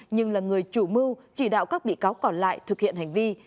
nhưng là người chủ mưu chỉ đạo các bị cáo còn lại thực hiện hành vi